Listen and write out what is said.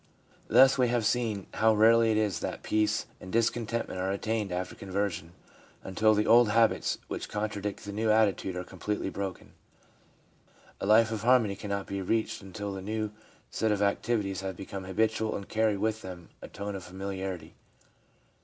Thus we have seen how rarely it is that peace and contentment are attained after conversion until the old habits which contradict the new attitude are completely broken. A life of harmony cannot be reached until the new set of activities have become habitual and carry with them a tone of familiarity.